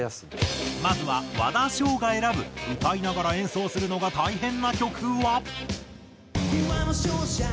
まずは和田唱が選ぶ歌いながら演奏するのが大変な曲は？